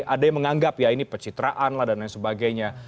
ada yang menganggap ya ini pecitraan lah dan lain sebagainya